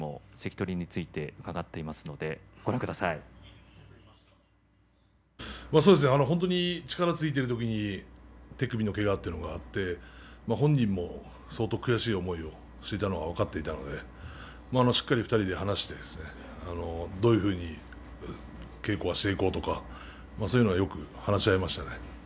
本当に力がついているので力がついていただけに手首のけががあって本人も相当悔しい思いをしていたことが分かっていたのでしっかり２人で話をしてどういうふうに稽古をしていこうとかそういうことはよく話し合いましたね。